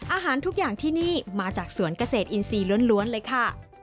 อาหารทุกอย่างที่นี่มาจากสวนเกษตรอินทรีย์ล้วนเลยค่ะ